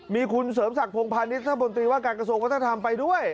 มีคุณเสริมศักดิ์พงพาณิชย์ท่านบนตรีว่าการกระทรวงวัฒนธรรมไปด้วย